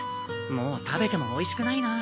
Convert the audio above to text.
もう食べてもおいしくないな。